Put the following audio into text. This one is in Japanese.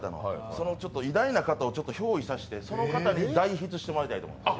その偉大な方をひょう依させてその方に代筆してもらいたいと思います。